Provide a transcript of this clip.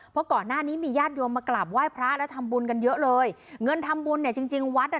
เพราะก่อนหน้านี้มีญาติโยมมากราบไหว้พระและทำบุญกันเยอะเลยเงินทำบุญเนี่ยจริงจริงวัดอ่ะ